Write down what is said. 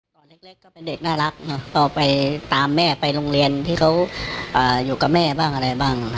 ตอนเล็กก็เป็นเด็กน่ารักพอไปตามแม่ไปโรงเรียนที่เขาอยู่กับแม่บ้างอะไรบ้าง